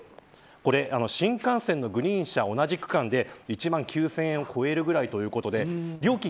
これ新幹線のグリーン車同じ区間で１万９０００円を超えるぐらいということで料金